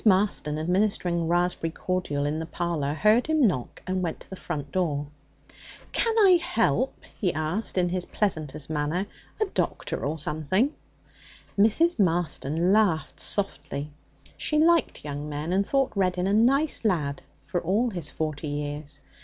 Marston, administering raspberry cordial in the parlour, heard him knock, and went to the front door. 'Can I help?' he asked in his pleasantest manner. 'A doctor or anything?' Mrs. Marston laughed softly. She liked young men, and thought Reddin 'a nice lad,' for all his forty years.